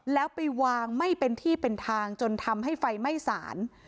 แล้วไปวางไม่เป็นที่เป็นทางจนทำให้ไฟไม่สาร